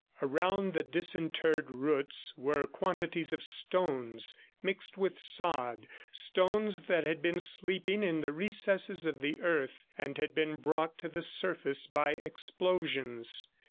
Around the disinterred roots were quantities of stones mixed with sod, stones that had been sleeping in the recesses of the earth and had been brought to the surface by explosions.